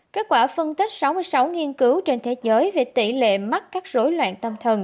kết quả phân tích sáu mươi sáu nghiên cứu trên thế giới về tỷ lệ mắc các rối loạn tâm thần